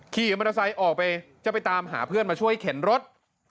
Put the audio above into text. ขี่มอเตอร์ไซค์ออกไปจะไปตามหาเพื่อนมาช่วยเข็นรถ